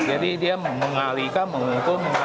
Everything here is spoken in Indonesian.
jadi dia mengalirkan mengukur mengalir